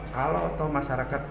kalau atau masyarakat